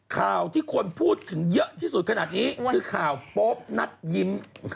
ข่าวที่คนพูดถึงเยอะที่สุดขนาดนี้คือข่าวโป๊ปนัดยิ้ม